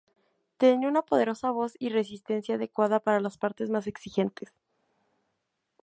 Tenía una poderosa voz y resistencia adecuada para las partes más exigentes.